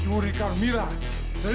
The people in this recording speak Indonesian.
tarik capas tuhan